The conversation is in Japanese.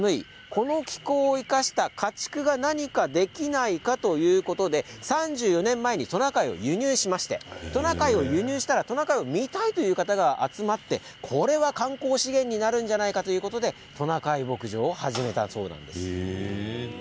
この気候を生かした家畜、何かできないかということで３４年前にトナカイを輸入しましてトナカイを輸入したらトナカイを見たいという方が集まってこれは観光資源になるんじゃないかということでトナカイ牧場を始めたそうです。